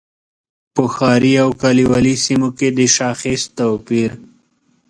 په ښاري او کلیوالي سیمو کې د شاخص توپیر.